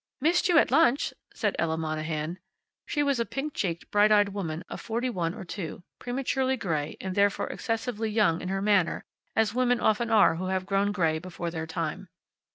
"Missed you at lunch," said Ella Monahan. She was a pink cheeked, bright eyed woman of forty one or two, prematurely gray and therefore excessively young in her manner, as women often are who have grown gray before their time.